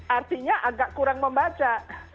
artinya agak kurang membaca